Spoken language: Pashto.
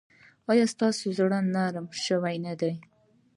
ایا ستاسو زړه نرم شوی نه دی؟